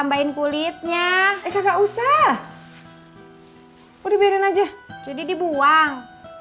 mbak yanti jangan dibuang